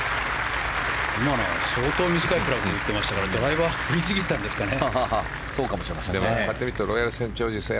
今のは相当短くクラブを握っていましたからドライバー振り切ったんですかね。